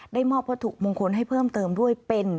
ได้มอบวัตถุมงคลให้เพิ่มเติมด้วยเป็น